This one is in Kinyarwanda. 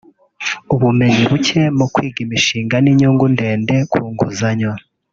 ubumenyi buke mu kwiga imishinga n’inyungu ndende ku nguzanyo